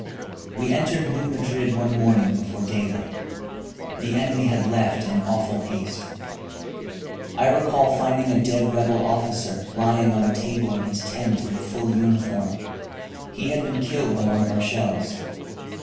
We entered New Madrid one morning before daylight. The enemy had left in awful haste. I recall finding a dead Rebel officer, lying on a table in his tent, in full uniform. He had been killed by one of our shells.